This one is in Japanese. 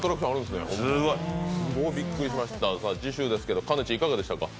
すごいびっくりしました、次週ですけど、かねちいかがでしたか？